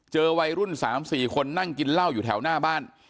วัยรุ่น๓๔คนนั่งกินเหล้าอยู่แถวหน้าบ้าน